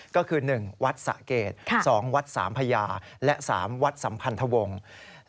ก็คือ๑วัดสะเกด๒วัด๓พญาและ๓วัดสัมพันธวงศ์